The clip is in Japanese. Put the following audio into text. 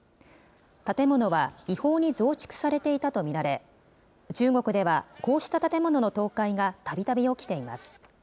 建物は違法に増築されていたと見られ、中国ではこうした建物の倒壊がたびたび起きています。